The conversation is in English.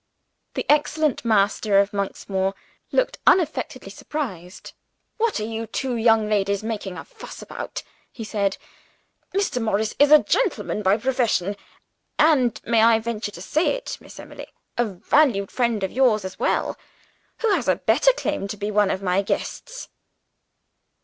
The excellent master of Monksmoor looked unaffectedly surprised. "What are you two young ladies making a fuss about?" he said. "Mr. Morris is a gentleman by profession; and may I venture to say it, Miss Emily? a valued friend of yours as well. Who has a better claim to be one of my guests?"